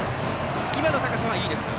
今の高さはいいですか。